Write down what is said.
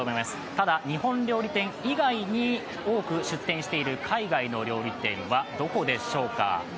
ただ日本料理店以外に多く出店している海外の料理店はどこでしょうか？